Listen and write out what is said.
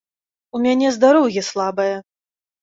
У мяне здароўе слабае.